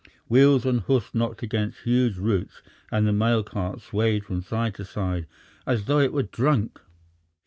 Wheels and hoofs knocked against huge roots, and the mail cart swayed from side to side as though it were drunk.